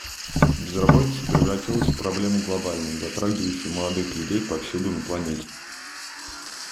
Безработица превратилась в проблему глобальную, затрагивающую молодых людей повсюду на планете.